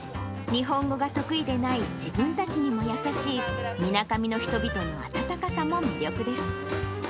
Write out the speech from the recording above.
日本語が得意でない自分たちにも優しい、みなかみの人々の温かさも魅力です。